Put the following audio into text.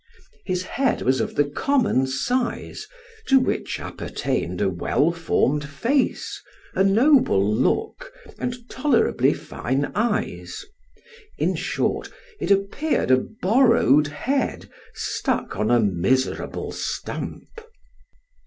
His head was of the common size, to which appertained a well formed face, a noble look, and tolerably fine eyes; in short, it appeared a borrowed head, stuck on a miserable stump.